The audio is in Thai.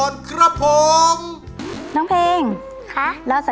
ดูเขาเล็ดดมชมเล่นด้วยใจเปิดเลิศ